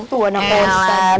tuh anak bosan